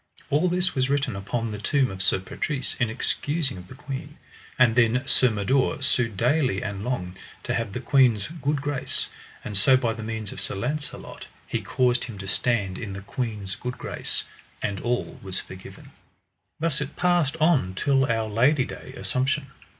All this was written upon the tomb of Sir Patrise in excusing of the queen. And then Sir Mador sued daily and long, to have the queen's good grace; and so by the means of Sir Launcelot he caused him to stand in the queen's good grace, and all was forgiven. Thus it passed on till our Lady Day, Assumption.